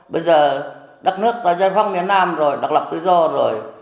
bây giờ đất nước ta dân phong miền nam rồi đặc lập tự do rồi